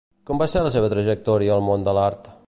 Com va ser la seva trajectòria al món de l'art?